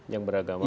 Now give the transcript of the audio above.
yang beragama tidak